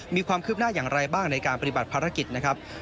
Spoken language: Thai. มีความคืบหน้าอย่างไรบ้างในการปฏิบัติภารกิจนะครับ